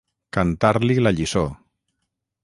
Cantar-li la lliçó.